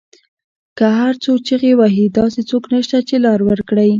که هر څو چیغې وهي داسې څوک نشته، چې لار ورکړی